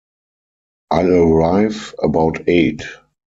I'll arrive about eight.